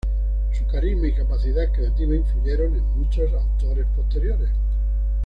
Su carisma y capacidad creativa influyeron en muchos autores posteriores.